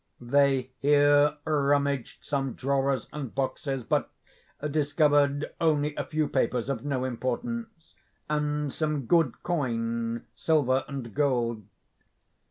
They here rummaged some drawers and boxes, but discovered only a few papers, of no importance, and some good coin, silver and gold.